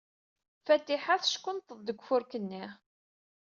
Fatiḥa teckunṭeḍ deg ufurk-nni.